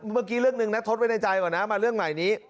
เมื่อกี้เรื่องหนึ่งนะทดไว้ในใจก่อนนะมาเรื่องใหม่นี้